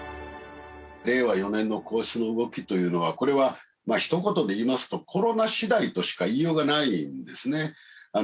令和４年の皇室の動きというのはこれはひと言で言いますとコロナ次第としか言いようがないんですね。